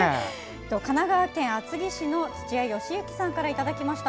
神奈川県厚木市の土屋義行さんからいただきました。